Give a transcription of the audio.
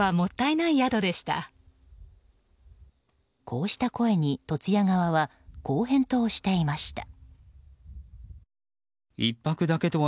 こうした声に凸屋側は、こう返答していました。